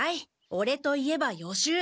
オレといえば予習。